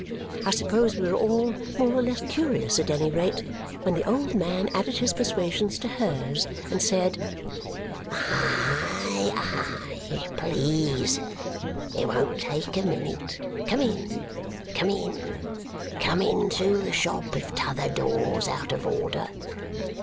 I suppose we were all more or less curious; at any rate, when the old man added his persuasions to hers and said, "Aye, aye! Please her! It won't take a minute! Come in, come in! Come in through the shop if t'other door's out of order!"